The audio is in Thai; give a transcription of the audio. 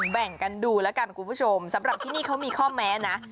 แบ่งกันดูแล้วกันคุณผู้ชมสำหรับที่นี่เขามีข้อแม้นะ